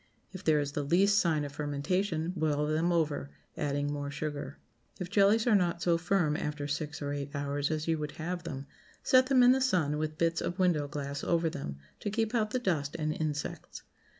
If there is the least sign of fermentation, boil them over, adding more sugar. If jellies are not so firm after six or eight hours as you would have them, set them in the sun, with bits of window glass over them to keep out the dust and insects.